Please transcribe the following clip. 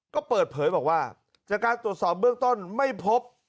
ก็เปิดเผยบอกว่าจากการตรวจสอบเบื้องต้นไม่พบ